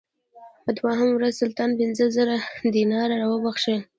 په دوهمه ورځ سلطان پنځه زره دیناره راوبخښل.